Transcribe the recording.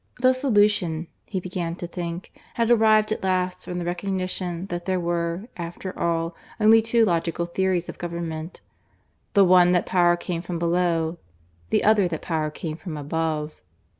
The solution, he began to think, had arrived at last from the recognition that there were, after all, only two logical theories of government: the one, that power came from below, the other, that power came from above.